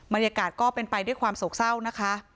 บรรยากาศก็เป็นไปด้วยความโศกเศร้านะคะ